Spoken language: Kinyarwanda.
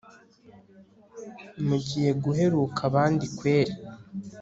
mugiye guheruka abandi kweri